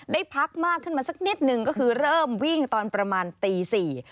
ได้พักมากขึ้นมาสักนิดนึงก็คือเริ่มวิ่งตอนประมาณตีสี่